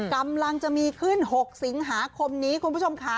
กำลังจะมีขึ้น๖สิงหาคมนี้คุณผู้ชมค่ะ